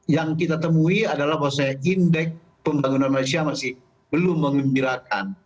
yang kita temui adalah bahwasanya indeks pembangunan malaysia masih belum mengembirakan